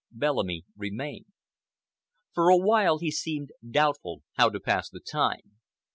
Bellamy remained. For a while he seemed doubtful how to pass the time.